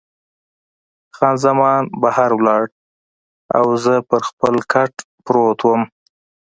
خان زمان بهر ولاړه او زه پر خپل کټ پروت وم.